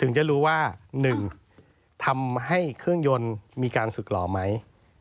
จะรู้ว่า๑ทำให้เครื่องยนต์มีการฝึกหล่อไหม